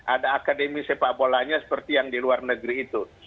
ada akademi sepak bolanya seperti yang di luar negeri itu